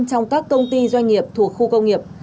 trong các công ty doanh nghiệp thuộc khu công nghiệp